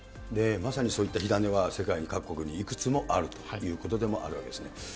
まさにそういった火種は世界各国にいくつもあるということでもあるわけですね。